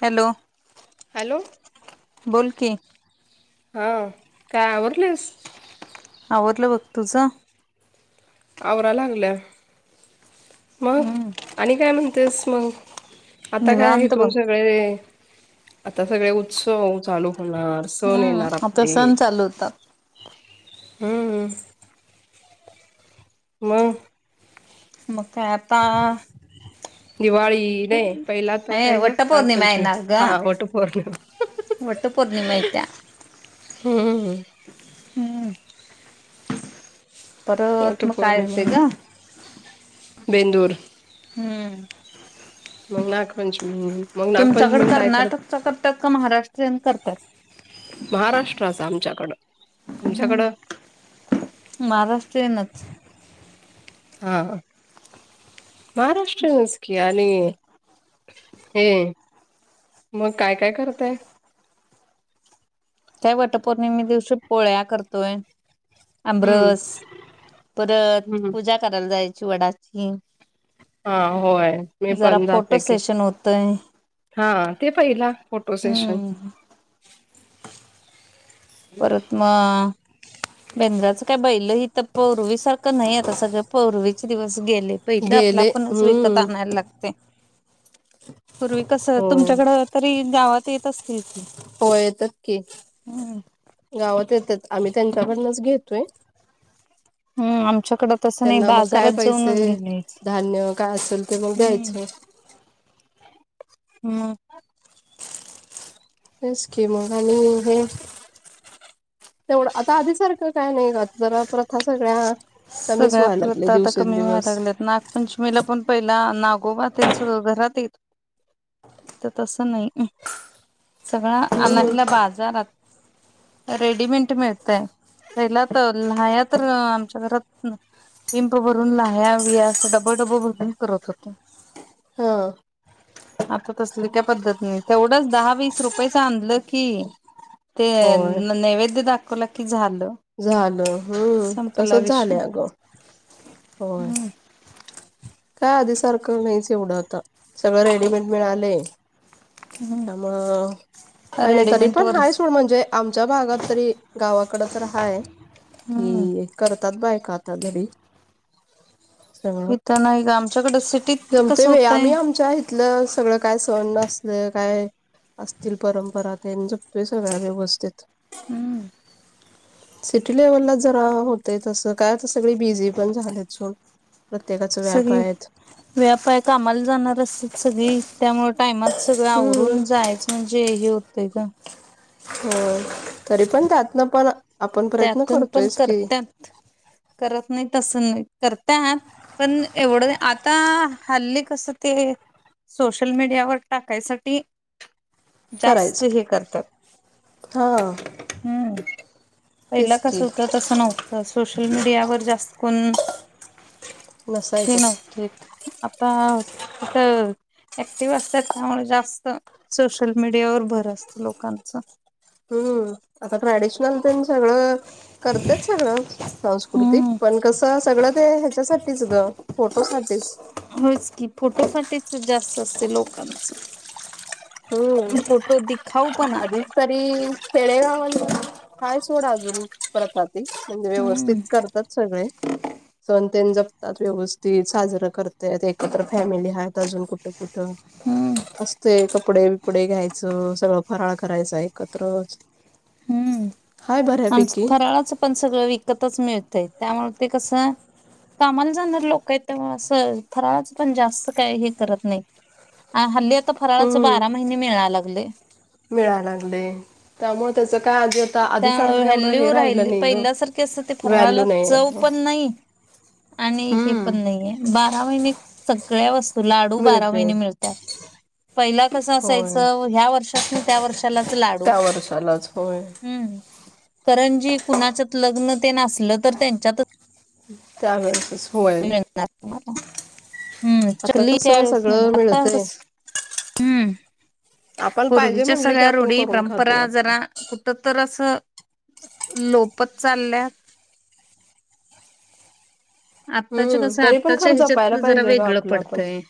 Hello hello बोल की हा काय आवरलीस आवरल बग तुझ आवरालागलोय हम् आणि काय म्हणतेस मग आता काय निवांत बघ इथून सगळे आता सगळे उत्सव चालू होणार सण हूं येणार आता आपले सण चालू होतात. हूं मंग म काय आता दिवाळी नाही पहिला आता हे काय ग वटपौर्णिमा नागपंचमी येणार ग. हा वटपौर्णिमा वटपौर्णिमा येत्या. हूं हम्म परत म काय येतय वटपौर्णिमा ग? बेंदूर हूं मंग नागपंचमी मंग तुमच्याकड नागपंचमीला काय कर्नाटकचा करत करतात का महाराष्ट्रीयन करतात? महाराष्ट्राच आमच्याकडं तुमच्याकडं महाराष्ट्रीयनच हा महाराष्ट्रीयच की आणि हे मग काय काय करताय? त्या वटपौर्णिमे दिवशी पोळ्या करतोय. हम्म आमरस परत हम्म. पूजा करायला जाय ची वडाची हा होय. मी जरा पण फोटो जाते की, सेशन होतय. हा ते पहिला फोटो सेशन हम्म परत म बेंद्राचं काय बैल इथ पौर्वीसारखं नही आता सगळं पौर्वीचे दिवस गेले पहिलं आपलं गेले आपणच विकत हम्म. आणायला लागतय. पूर्वी कसं होय. तुमच्याकड तरी गावात तेेत असतील. की हो येतात की हम्म गावात येतात आम्ही त्यांनं च्याकडनच घेतोय. हूं आम त्यांना मग काय पैसे यायचं धान्य काय असेल ते मग द्यायचं. म हेच की मग आणि हे तेवढं आता आधी सारखं काय नाही ग जरा प्रथा सगळ्या कमीच सगळ्या व्हायला लागले प्रथा आता कमी व्हया दिवसेंदिवस लागल्यात नागपंचमीला पण पहिला नागोबा तेनं सगळं घरात येत आता तसं नाही. सगळा हम्म आणयला बाजारात रेडीमेंट मिळतयं पहिला तर लाया तर आमच्या घरात पिंप भरून लाया विया अस डबल डबल भरून करत होते. हा. आता तसली काय पद्धत नाये, तेवढंच दहा वीस रुपयेच आणलं की, ते होय. नैवेद्य दाखवलं की झालं. झालं हम्म संपला तसच विषय झालं अगं होय काय आधी सारखं नाहीच एवढं आता, सगळं रेडीमेड मिळालय. हम्म त्यामुंळ काय नाही तरी रेडीमेंट पण हाय वरच सोड म्हणजे आमच्या भागात तरी गावाकड तर हाय हम्म. कि करत तात बायका आता घरी सगळं इथ नाही ग आमच्याकडं सिटीत जमते कसं बाई होतंय आम्ही आमच्या सगळं काय सहन नस काय असतील परंपरा त्यां जपतोय सगळ्या व्यवस्थित. हम्म सिटी लेव्हलला जरा होतंय तसं काय आता सगळी बिझी पण झाल्यात सोड. प्रत्येकाच व्याप सगळी आहेत व्याप हाय कामाला जाणार असत्यात सगळी त्यामुळे टायमात सगळं हम्म आवरून जायचं म्हणजे हे होतय ग हो तरी पण त्यात न पण आपण प्रयत्न त्यातून पण करतोयच की करतत्यात करत नाही तस करतात पण एवढं आता हल्ली कस ते सोशल मीडियावर टाकायसाठी जास्त करायच हे करतात हा हम् पहिला तेच की कसं होतं तसं नव्हतं सोशल मीडियावर जास्त कोन उम शी नसायचं नवतीत आता तिथं ऍक्टिव्ह असतात त्यामुळे जास्त सोशल मीडियावर भर असत लोकांच. हम्म आता ट्रॅडिशनल तेन सगळं करते सगळं सांस्कृतिक हम्म पण कसं सगळं ते ह्याच्यासा तीच ग फोटो साठीच. होयच की फोटोसाठीच जास्त असते लोकांच. हम्म फोटो दिखाऊ पणा खेडेगाव हाय सोडा अजुन प्रथा. म्हजे व्यवस्थित हम्म करतात सगळे सण येन जपतात व्यवस्थित साजरं करतात एकत्र फॅमिली आहेत अजून कुटुंब कुठ हम्म असते कप कपडे बिपडे घ्यायचं सगळं फराळ करायच एकत्रच. हम्म हाय आमच बऱ्यापैकी फराळाचं पण सगळं विकतच मिळतय. त्यामुळे ते कसं कामाला जाणार लोक आहेत त्या असं फराळच पण जास्त काही हे करत नाही हल्ली फराळाच हम्म बारा महिने मिळायला लागले मिळा लागले त्यामुळे त्याच काय आजी त्यामुळे व्हॅल्यू राहिली पहिल्यासारखे असत ते व्हॅल्यू फराळाला नाही चव पण नाही आणि हे हम्म पण नाहीे बारा महिने सगळ्या वस् तू लाडू बारा मिळतय महिने मिळतात पहिला कस होय असायचं ह्या वर्षास ना त्या वर्षालाच लाडू त्या वर्षालाच होय हम्म. करंजी कुणाच्यात लग्न ते नसलं तर त्यांच्यातच त्यावेळेसच होय मिळणार तुम्हाला. हम्म आता चुकली कसं त्यावेळेस मिळणार. सगळं आता मिळतय कसं, हम्म. [inaudible] आपण पाहिजे पूर्वीच्या म्हटलं की सगळ्या आपण रूढी, करून खातोय परंपरा आता जरा कुटतर असं लोपत चालल्यात आत्ताच्या हम्म कसं तरी पण आत्ताच्या खरं ह्याच्यात जपायला जरा पाहिजे ग वेगळं आपलं आपण पडतंय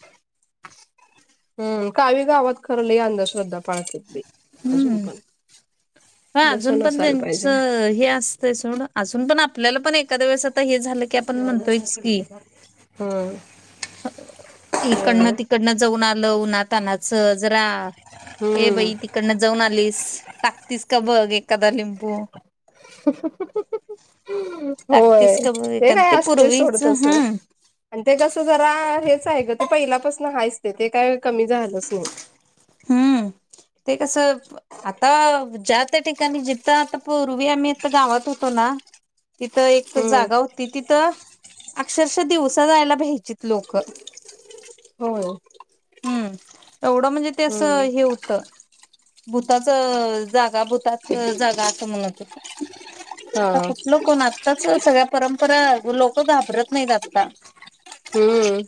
काही गावात खरं लई अंधश्रद्धा पाळतात बाई अजून पण. हं जसं अजून पण नसायला पाहिजे ना त्यांचं हे असतंय सोडं अजुन पण आपल्याला पण एखद्या वेळेस आता हे झालं की आपण म्हणतोयच की, हम्म इकडनं होय तिकडनं जाऊन आलं उनातानाचं जरा ए हम्म बाई तिकडनं जाऊन आलीस [inaudible] टाकतीस का बग एकादा लिंबू होय, टाकतीस का बघ ते एखाद काय असतंय सोड पूर्वीच तसं हं आणि ते कसं जरा हेच आहे ग ते पहिल्यापास हायच ते ते काय कमी झालंच नाही. हम्म. ते कसं आता ज्या त्या ठिकाणी जिथं आता पूर्वी आम्ही इथं गावात होतो ना तिथं एक हम्म जागा होती तिथं अक्षर दिवसा जायला भ्यायचीत लोकं. होय हम्म. एवढं म्हणजे ते असं हम्म हे होत भूताच जागा भूताच जागा असं म्हनत होतं. हा आता कुठलं कोण आताच सगळ्या परंपरा लोक घाबरत नाहीत आता. हम्म,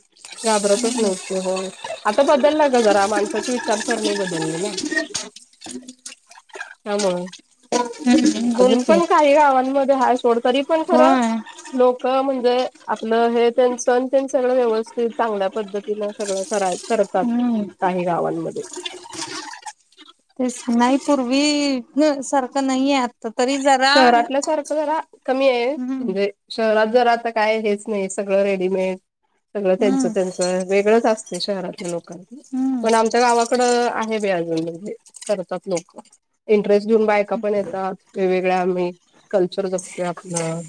घाबरतच हम्म नाहीत की होय. आता बदलला ग जरा माणसाचे विचारसरनी बदली ना त्यामुळं. बोल अजून की पण काही गावांमध्ये हाय सोड तरी पण खरं होय लोक म्हणजे आ हे तेंच सण ते सगळं व्यवस्थित चांगल्या पद्धतीनं सगळं करायचं करतात हम्म काही गावांमध्ये. तेच नाही पूर्वी सारखं नाहीये आत शहरातल्यासारखं जरा कमी आहे हम्म म्हंजे शहरात जर आता काय हेच नाही सगळं रेडीमेड. सगळं त्यांच हम्म त्यांच वेगळंच असतं. शहरातले लोक हम्म पण आमच्या गावात थोडं आहे बाई अजून पण ते करतात लोक ड्रेस घेऊन बायका पण येतात वेगळे एक कल्चरगस्त आपल्या [inaudible]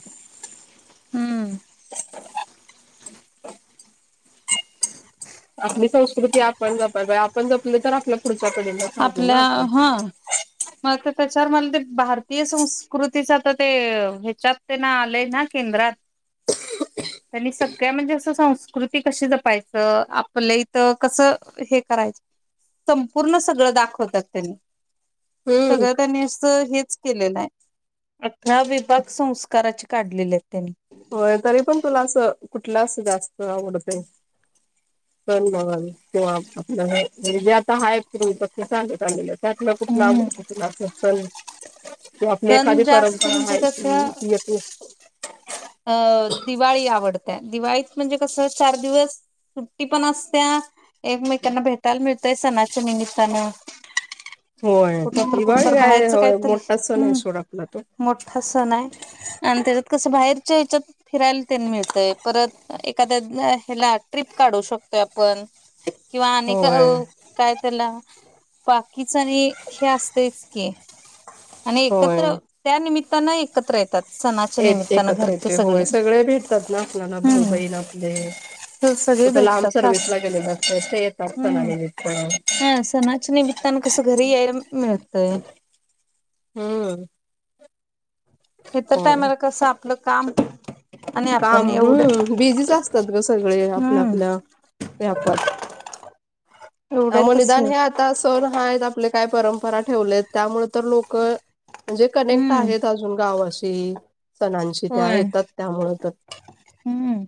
हम्म [unintelligible] आपली संस्कृती आपण जपाय पाहिजे आपण जपली तर आपली पुढची आपल्या हां [unintelligible] तर मला ते बाहर भारतीय संस्कृतीचा तर ते ह्याच्यात तेन आलय ना केंद्रात त्यांनी सगळ्या म्हणजे असं संस्कृती कशी जपायचं आपलं इथ कसं हे करायच संपूर्ण सगळं दाखवतात त्यांनी हम्म. सगळं त्यांनी अस हेच केलेलं आहे अठरा विभाग संस्काराचे काढलेले आहेत त्यांनी. होय तरी पण तुला अस कुठलं अस जास्त आवडतय सन म्हण किंवा आपल्या म्हनजे आता आहे फ्री ते चालतंय. हम्म [unintelligible] तर आपली सण एखादी जास्त परंपरा म्हणजे आहे कसं का येथे अ दिवाळी आवडत्याय, दिवाळीत म्हणजे कसं चार दिवस सुट्टी पण असतीया. एकमेकांना भेटायला मिळतंय सणाच्या निमित्तानं होय कुठं तर कुठ दिवाळी तर काय बाहेरचं होय काहीतरी मोठा सण आहे हम्म सोड आपला तो. मोठा सण आहे आणि त्याच्यात कसं बाहेर ह्याच्यात फिरायला ते मिळतय परत एखाद्या ह्याला ट्रीप काढू शकतोय आपण किंवा आणि काय? होय काय त्याला? बाकीचं आणि हे असतयचं की आणि होय. एकत्र त्यानिमित त्यांना एकत्र येतात. सणाच्या एक निमित्तानं एकत्र घरचे येतोय होय सगळे भेटतात ना आपल्या ना भाऊ बहीण हम्म आपले सगळे कुठ लांब भेटतात सास सर्विसला गेलेले असतय ते येतात हम्म सनानिमित्त हा सणाच्या निमित्तानं कसं घरी यायला मी मिळतंय. ह.. अ.. इतर टायमाला कसं आपलं काम [unintelligible] आपण काम एवढं हम्म बिझीच असतात ग सगळे, आपल्या हम्म आपल्या व्यापात. अहो निदान हे आता सण हाय आपले आपले काय परंपरा ठेवलेत, त्यामुळे तर लोक म्हणजे कनेक्ट हम्म आहेत अजून! गावाशी. ते सणांशी त्या होय येतात त्यामुळ त हम्म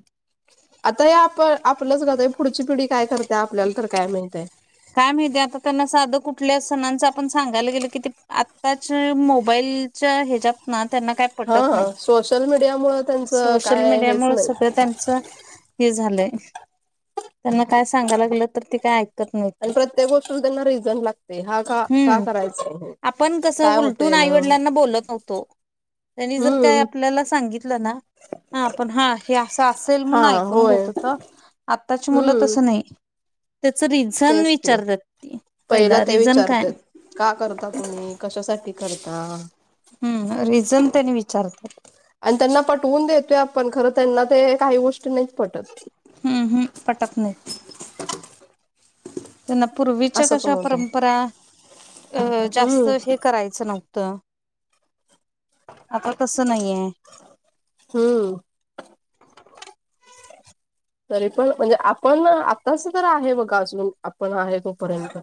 आता हे आप आपलंच [unintelligible] पुढची पिढी काय करता? आपल्याला तर काय माहित आहे. काय माहिती आता, त्यांना साधं कुठल्या सणांच आपण सांगायला गेल, की ते आत्ताच्या मोबाईलच्या ह्याच्यात ना त्यांना काही पटत नाही, हा सोशल मीडियामुळे त्यांचं सोशल काय मीडिया हेच मुळे नाही सगळं त्यांच हे झालंय, त्यांना काय सांगायला गेलं तर ते काय ऐकत नाहीत. हम्म आणि प्रत्येक गोष्टीला त्यांना रिझन लागते हा का का करायचं हे. आपण कसं काय उलटून होतय ना आईवडिलांना बोलत नव्हतो. त्यांनी जर काय हम्म आपल्याला सांगितलं ना हा आपण हा हे असं असेल हा म्हणून ऐकून होय घेत होतो. आत्ताची मुलं हम्म तसं नाही. त्याच रिझन वि होय पहिला ते विचारतात का करता तुम्ही? कशासाठी करता? हम्म--रिझन त्यानी विचारतात. आणि त्यांना पटवून देतोय आपण, खरं त्यांना ते काही गोष्टी नाहीच पटत. हम्म हम्म पटत नाही. त्यांना पूर्वीच्या असं कशा पण होतय परंपरा, अं जास्त हम्म हे करायचं नव्हतं. [inaudible] आता तसं नाहीये. हम्म तरी पण म्हणजे, आपण आताच तर आहे बगा अजून, आपण आहे तोपर्यंत.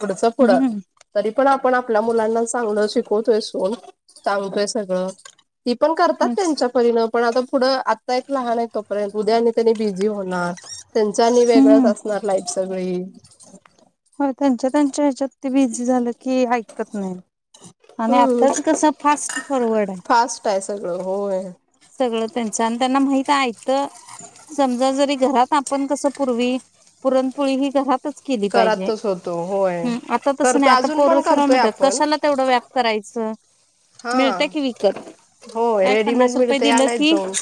पुढचं पुढं हम्म तरी पण आपण आपल्या मुलांना चांगलं शिकवतोय, [unintelligible] सांगतोय सगळं. ती पण करतात, त्यांचा परिन. पण आता पुढं, आत्ता एक लहान आहे तोपर्यंत, उद्या आणि त्यांनी बिझी होणार. त्यांच आणि वेगळंच हम्म असणार लाईफस. सगळी होय त्यांच्या त्यांच्या ह्याच्यात ते बिझी झालं की, ऐकत नाही. आणि हम्म आताच कस, फास्ट फॉरवर्ड आहे. फास्ट आहे सगळं होय सगळं त्यांच आणि त्यांना माहित हायत. तर [unintelligible] समजा जरी घरात आपण कस पूर्वी पुरणपोळी ही घरातच केल पायजे करतच होतो होय हूं आता तस करतो नाय आता अजून पोरं पण सरळ करतोय म्हणत्यात आपण कशाला तेवढ व्या करायचं. हा मिळत की विकत होय काय रेडीमेड पन्नास रुपये मिळते दिलं आणायच की जाऊन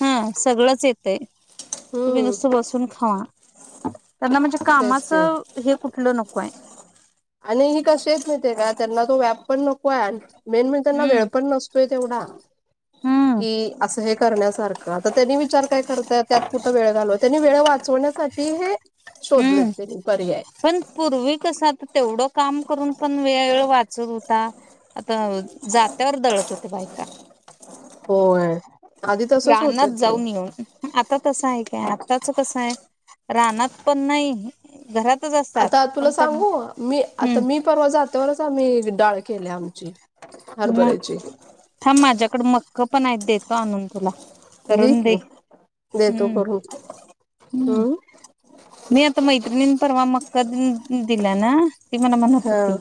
हा सगळंच चेतय तुम्ही हम्म नुसत बसून खा. आता त्यांना म्हणजे तेच की कामाचं लो नको हाय आणि हे कशी आहेत माहिती हाय काय त्यांना तो व्याप पण नको हाय मेन म्हणजे त्यांना वेळ हम्म पण नसतोय तेवढा हम्म की असं हे करण्यासारखं तर त्यांनी विचार काय करत्यात त्यात कुठं वेळ घालवा त्यांनी वेळ वाचवण्यासा ते हे शोधलेत हम्म त्यांनी पर्याय पण पूर्वी कस आता तेवढं काम करून पण वेळ वाचत होता आता जात्यावर दळत होत्या बायका होय आधी [unintelligible] तसच होतं रानात की. जाऊन येऊन आता तसं आहे काय आत्ताच कसं आहे रानात पण नाही घरात आता तुला सांगू मी आता मी हम्म परवा जात्यावरच आम्ही डाळ केल्या आमची मग हरभऱ्याची थांब माझ्याकडे मक्क पण आहेत देतो आणून तुला दे की देतो हम्म करून हम्म हम्म्म मी आता मैत्रिणीन परवा मक [unintelligible] दिल्या ना? ति मला म्हनत हा. व्हती.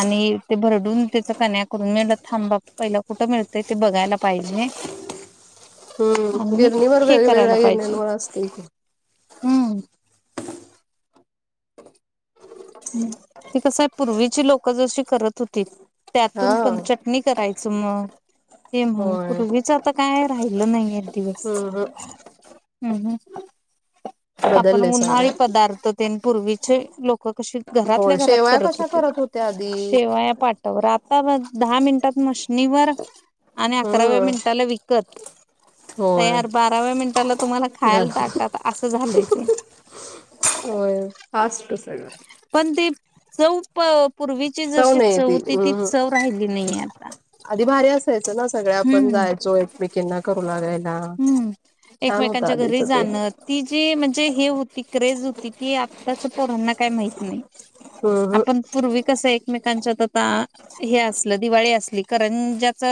आणि ते भरडून त्याच कन्या करून मी म्हटलं थांबा पहिला कुठं मिळतंय ते बघायला पाहिजे. हम्म आणि गिरणीवर हे करायला वेगवेेगळ्या पाहिजे गिरण्यांवर असतील की हम्म. हम्म ते कस हाय पूर्वीची लोक जशी करत होती हा त्यातून पण चटणी कराय सम ते म्हण होय. पूर्वीच आता काय राहिलं नाहीएत दिवस हम्म हम् हम्म ह आपण बदलले सगळं उन्हाळी पदार्थ तेंन पूर्वीचे लोक कशी घरातल्या होय घरात शेवाया करत कशा होत्या आधी होतीत शेवाया पाठावर आब दहा मिनटात मशनीवर आणि अकराव्या हम्म मिनिटाला विक कट होय तयार बाराव्या मिनिटाला तुम्हाला खायाला घाल ताटात असं झालंय श [unintelligible] होय फास्ट सगळ पण ती चव प पूर्वीची चव जशी नाही ती होती हम् राहिली नाहीये आता. आधी भारी असायचं ना सगळ्या आपण हम्म. जायचो एकमेकिंना करू लागायला हम्म. छान होत एकमेकांच्या आधीच घरी ते जाणं जी ती म्हणजे हे होती क्रेज होती की आताच्या पोरांना काय माहीत नाही. हम्म हम् आपण पूर्वी कस एक एकमेकांच्यात आता हे असलं दिवाळी असली, करंज्याच